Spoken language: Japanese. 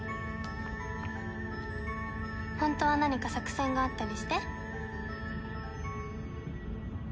本当は何か作戦があったりして？